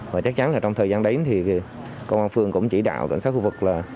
và chắc chắn là trong thời gian đấy thì công an phường cũng chỉ đạo cảnh sát khu vực là